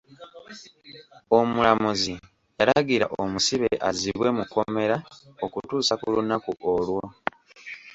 Omulamuzi yalagira omusibe azzibwe mu kkomera okutuusa ku lunaku olwo.